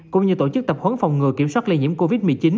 cũng như tổ chức tập huấn phòng ngừa kiểm soát lây nhiễm covid một mươi chín